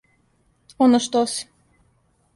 Оно што си.